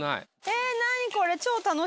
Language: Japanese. え何これ。